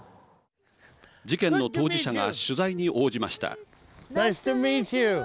事件の当事者が取材に応じました。